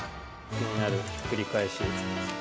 気になるひっくり返し。